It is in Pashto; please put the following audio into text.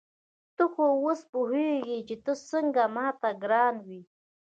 ته خو اوس پوهېږې چې ته څنګه ما ته ګران وې.